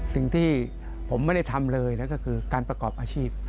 สิ่งที่ผมไม่ได้ทำเลยนั่นก็คือการประกอบอาชีพ